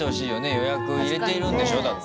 予約入れているんでしょ、だって。